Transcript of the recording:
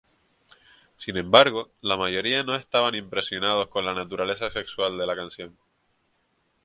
Sin embargo, la mayoría no estaban impresionados con la naturaleza sexual de la canción.